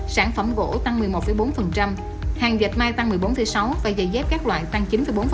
sản phẩm gỗ tăng một mươi một bốn hàng dệt mai tăng một mươi bốn sáu và giày dép các loại tăng chín bốn